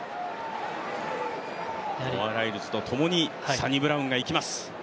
ノア・ライルズと共にサニブラウンがいきます。